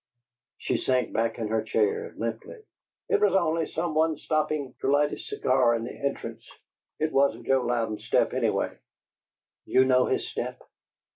She sank back in her chair limply. "It was only some one stoppin' to light his cigar in the entry. It wasn't Joe Louden's step, anyway." "You know his step?"